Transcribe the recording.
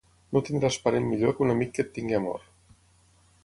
No tindràs parent millor que un amic que et tingui amor.